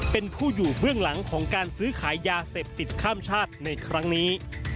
เป็นผู้อยู่เบื้องหลังของการซื้อขายยาเสพติดข้ามชาติในครั้งนี้